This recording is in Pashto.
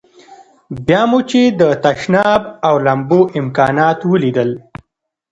بیا مو چې د تشناب او لمبو امکانات ولیدل.